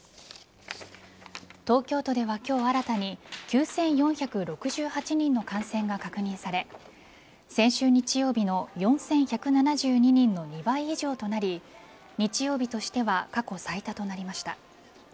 東京都では今日新たに９４６８人の感染が確認され先週日曜日の４１７２人の２倍以上となり日曜日としては過去最多となりました。